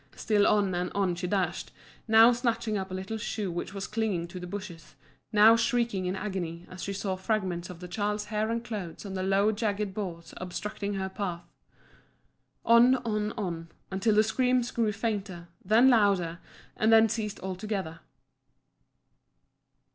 Still on and on she dashed, now snatching up a little shoe which was clinging to the bushes, now shrieking with agony as she saw fragments of the child's hair and clothes on the low jagged boughs obstructing her path. On, on, on, until the screams grew fainter, then louder, and then ceased altogether.